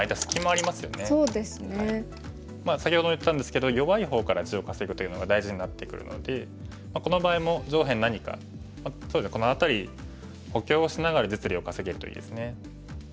先ほども言ったんですけど弱い方から地を稼ぐというのが大事になってくるのでこの場合も上辺何かそうですねこの辺り補強しながら実利を稼げるといいですね。